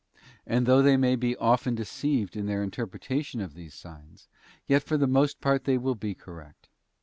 And though they may be often deceived in their interpretation of these signs, yet for the most part they will be correct.